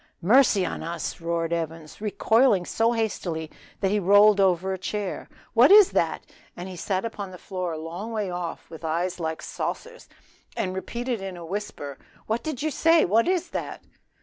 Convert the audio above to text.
"Mercy on us," roared Evans, recoiling so hastily that he rolled over a chair, "what is that?" and he sat upon the floor a long way off, with eyes like saucers, and repeated in a whisper, "what is that?"